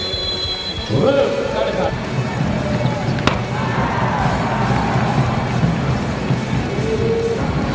สวัสดีครับ